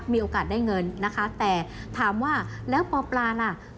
มีโอกาสได้เงินนะคะแต่ถามว่าแล้วปปลาน่ะ